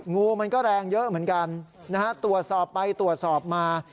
งูมันก็แรงเยอะเหมือนกันนะฮะตรวจสอบไปตรวจสอบมา